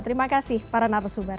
terima kasih para narasubar